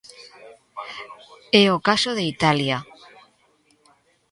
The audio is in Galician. É o caso de Italia.